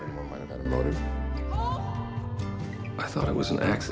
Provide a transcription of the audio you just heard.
saya tidak punya motivasi